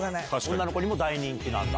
女の子にも大人気なんだ。